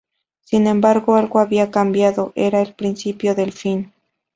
Sin embargo, algo había cambiado, era el principio del fin.